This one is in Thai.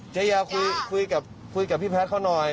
ชายาคุยกับพี่แพทย์เขาหน่อย